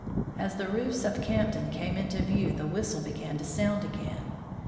As the roofs of Campton came into view the whistle began to sound again.